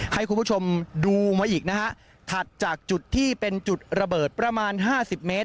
ให้คุณผู้ชมดูมาอีกนะฮะถัดจากจุดที่เป็นจุดระเบิดประมาณห้าสิบเมตร